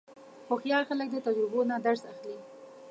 هوښیار خلک د تجربو نه درس اخلي.